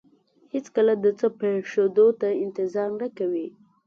هېڅکله د څه پېښېدو ته انتظار نه کوي.